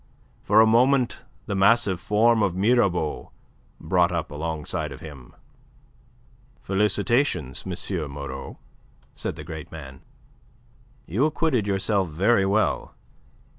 For a moment the massive form of Mirabeau brought up alongside of him. "Felicitations, M. Moreau," said the great man. "You acquitted yourself very well.